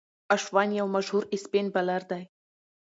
اشوين یو مشهور اسپن بالر دئ.